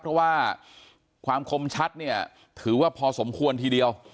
เพราะว่าความคมชัดเนี่ยถือว่าพอสมควรทีเดียว